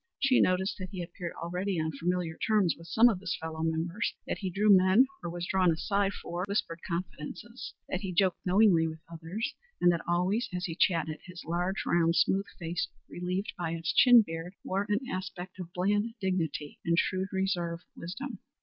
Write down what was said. She noticed that he appeared already on familiar terms with some of his fellow members; that he drew men or was drawn aside for whispered confidences; that he joked knowingly with others; and that always as he chatted his large, round, smooth face, relieved by its chin beard, wore an aspect of bland dignity and shrewd reserve wisdom.